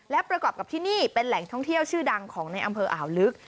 และประกอบกับที่นี่เป็นแหล่งท่องเที่ยวชื่อดังของในอำเภออ่าวลึก